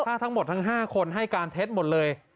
ถ้าทั้งหมดทั้ง๕คนให้การเท็จหมดเลย